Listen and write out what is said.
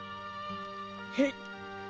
へい！